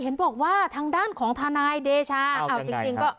ปอล์กับโรเบิร์ตหน่อยไหมครับ